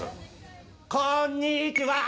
こんにちはー！